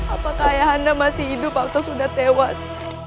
apakah ayahanda masih hidup atau sudah tewas